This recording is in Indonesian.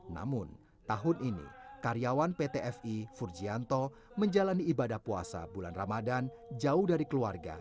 namun tahun ini karyawan pt fi furgianto menjalani ibadah puasa bulan ramadan jauh dari keluarga